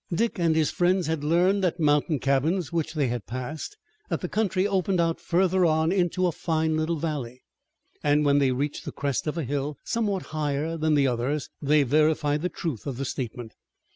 Dick and his friends had learned, at mountain cabins which they had passed, that the country opened out further on into a fine little valley, and when they reached the crest of a hill somewhat higher than the others, they verified the truth of the statement.